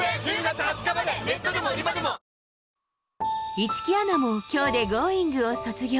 市來アナもきょうでＧｏｉｎｇ！を卒業。